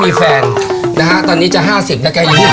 แบงค์หนูอะหรอ